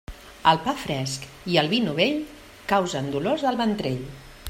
El pa fresc i el vi novell causen dolors al ventrell.